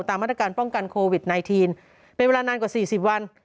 ตามมาตรการป้องกันโควิด๑๙เป็นเวลานานกว่า๔๐วัน